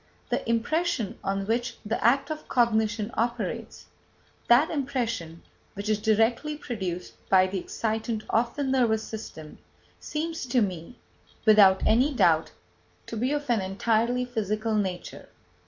The impression on which the act of cognition operates, that impression which is directly produced by the excitant of the nervous system, seems to me, without any doubt, to be of an entirely physical nature.